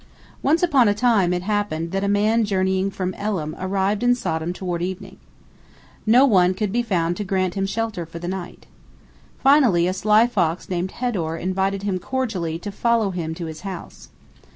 Once upon a time it happened that a man journeying from Elam arrived in Sodom toward evening. No one could be found to grant him shelter for the night. Finally a sly fox named Hedor invited him cordially to follow him to his house.